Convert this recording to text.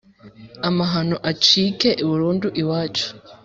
Amahano acike burundu iwacu